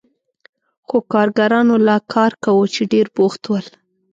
خو کارګرانو لا کار کاوه چې ډېر بوخت ول.